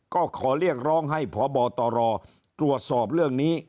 ก็ขอเรียกร้องให้พบตรตรวจสอบเรื่องนี้